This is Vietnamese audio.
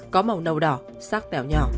có màu nâu đỏ sác tèo nhỏ